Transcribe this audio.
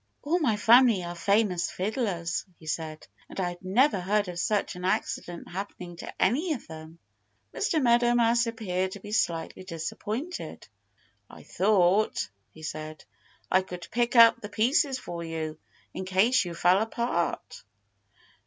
"All my family are famous fiddlers," he said. "And I've never heard of such an accident happening to any of them." Mr. Meadow Mouse appeared to be slightly disappointed. "I thought," he said, "I could pick up the pieces for you, in case you fell apart."